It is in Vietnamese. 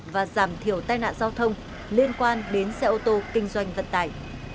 và giảm thiểu tai nạn giao thông liên quan đến xe ô tô kinh doanh vận tải